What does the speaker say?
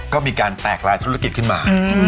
ก็มีการแตกลายธุรกิจขึ้นมา